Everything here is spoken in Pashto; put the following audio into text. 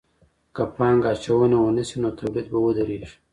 که پانګه اچونه ونه سي نو توليد به ودرېږي.